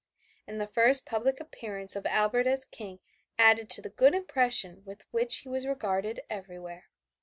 And the first public appearance of Albert as King added to the good impression with which he was regarded everywhere.